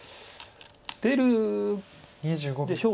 出るでしょう。